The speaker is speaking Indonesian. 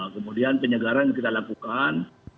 kemudian penyegaran kita lakukan